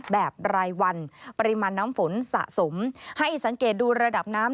แบบรายวันปริมาณน้ำฝนสะสมให้สังเกตดูระดับน้ำ